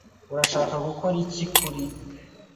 Urashaka gukora iki kuri ?